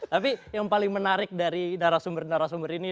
tapi yang paling menarik dari narasumber narasumber ini